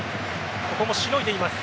ここもしのいでいます。